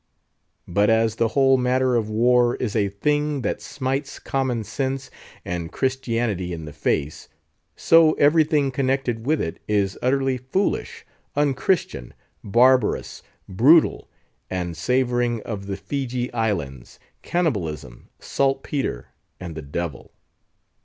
But as the whole matter of war is a thing that smites common sense and Christianity in the face; so everything connected with it is utterly foolish, unchristian, barbarous, brutal, and savouring of the Feejee Islands, cannibalism, saltpetre, and the devil.